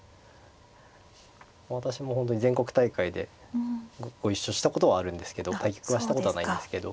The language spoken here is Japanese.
私も本当に全国大会でご一緒したことはあるんですけど対局はしたことはないんですけど。